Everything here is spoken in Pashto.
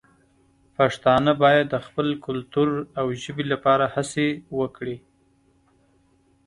پښتانه باید د خپل کلتور او ژبې لپاره هڅې وکړي.